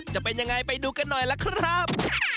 จะเป็นยังไงไปดูกันหน่อยล่ะครับ